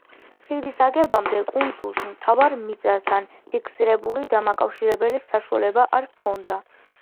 ხიდის აგებამდე კუნძულს მთავარ მიწასთან ფიქსირებული დამაკავშირებელი საშუალება არ ჰქონდა.